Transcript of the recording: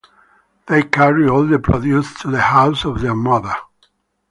They carry all the produce to the house of their mother.